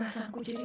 itu aku bit cun